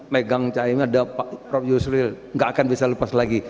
megang caimin ada pak prof yusril nggak akan bisa lepas lagi